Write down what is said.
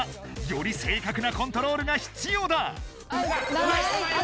より正確なコントロールが必要だ！